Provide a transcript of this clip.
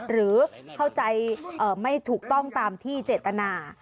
หรือเข้าใจไม่ถูกต้องตามที่เจตนา